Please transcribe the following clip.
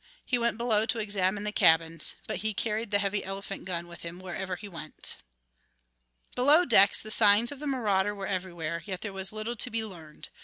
He went below to examine the cabins. But he carried the heavy elephant gun with him wherever he went. Below decks the signs of the marauder were everywhere, yet there was little to be learned.